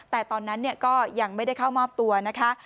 แต่ตอนนั้นก็ยังไม่ได้เข้ามอบตัวนะคะ